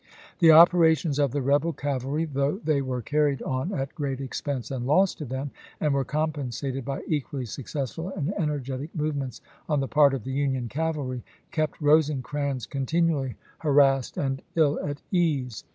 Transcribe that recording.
The operations of the rebel cavalry, though they were carried on at great expense and loss to them, and were compensated by equally successful and energetic movements on the part of the Union cavaky, kept Rosecrans continually harassed and Rosecrans to HaUeck ill at ease.